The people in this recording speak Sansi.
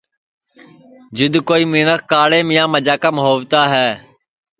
جِد کوئی مینکھ کاݪیم یا مجاکام ہووتا ہے